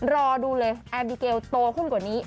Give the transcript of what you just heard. รอดูเลยแอร์บิเกลโตขึ้นกว่านี้